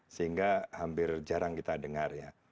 sehingga hampir jarang kita dengar ya